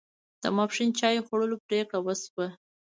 د ماپښین چای خوړلو پرېکړه وشوه.